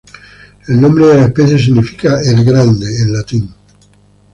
El nombre de la especie significa "el grande" en latín.